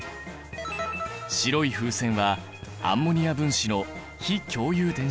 白い風船はアンモニア分子の非共有電子対。